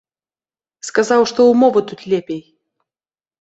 Сказаў, што ўмовы тут лепей.